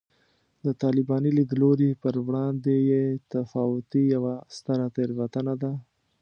د طالباني لیدلوري پر وړاندې بې تفاوتي یوه ستره تېروتنه ده